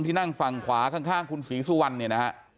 ที่นั่งฝั่งขวาข้างคุณฮ้ายสุวัลว์